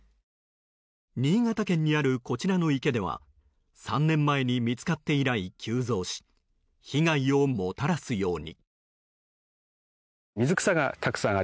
新潟県にあるこちらの池では３年前に見つかって以来、急増し被害をもたらすように。